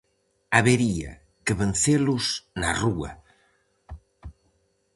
Habería que vencelos na rúa.